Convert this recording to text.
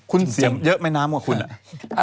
คุณเสียงเยอะไหมน้ำกว่าคุณ